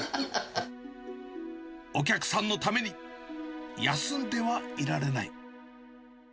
お客さんのために、休んではいられない。